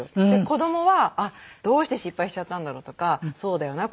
子どもはどうして失敗しちゃったんだろうとかそうだよな